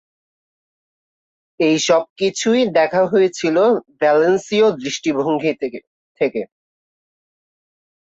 এই সবকিছুই দেখা হয়েছিল ভ্যালেন্সিয় দৃষ্টিভঙ্গি থেকে।